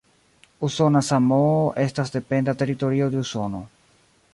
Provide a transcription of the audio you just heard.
Usona Samoo estas dependa teritorio de Usono.